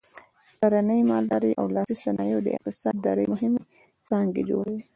کرنې، مالدارۍ او لاسي صنایعو د اقتصاد درې مهمې څانګې جوړولې.